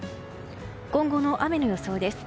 今後の雨の予想です。